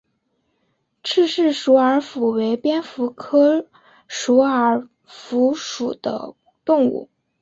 郝氏鼠耳蝠为蝙蝠科鼠耳蝠属的动物。